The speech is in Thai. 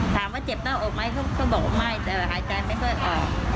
ถามว่าเจ็บหน้าอกไหมเขาบอกว่าไม่แต่หายใจไม่ค่อยออก